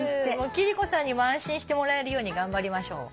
貴理子さんにも安心してもらえるように頑張りましょう。